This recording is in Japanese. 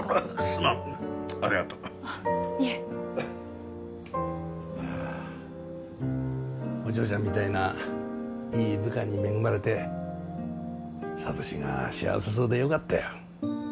すまんありがとうあっいえはあお嬢ちゃんみたいないい部下に恵まれて智志が幸せそうでよかったよ